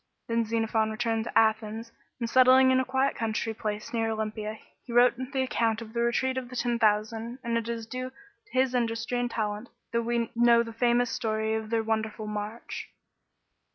Then Xerophon returned to Athens, and settling in a quiet country place near Olympia, he wrote the account of the Retreat of the Ten Thousand, and it is due to his industry and talent, that we know the famous story of their wonderful march.